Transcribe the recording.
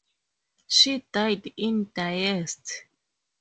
She died in Diest.